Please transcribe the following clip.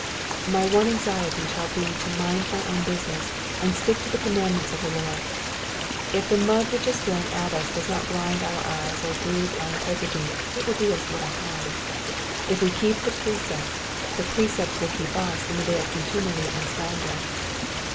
'*'* My one anxiety shall 1)6 to mind my own business and stick to the commandments of the Lord. If the mud which is thrown at us does not blind our eyes or bruise our integrity it will do us little harm. If we keep the precepts, the precepts will keep us in the day of contumely and slander.